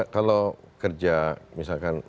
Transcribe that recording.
kalau kerja misalkan